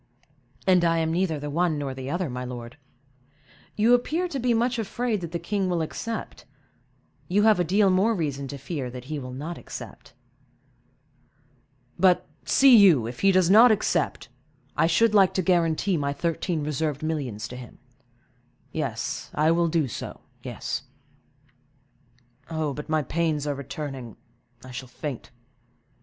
"And I am neither the one nor the other, my lord. You appear to be much afraid that the king will accept; you have a deal more reason to fear that he will not accept." "But, see you, if he does not accept, I should like to guarantee my thirteen reserved millions to him—yes, I will do so—yes. But my pains are returning, I shall faint.